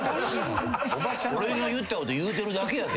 俺の言ったこと言うてるだけやけど。